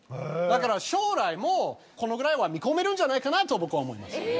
だから将来もこのぐらいは見込めるんじゃないかなと僕は思います。